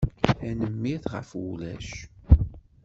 Tanemmirt ɣef wulac.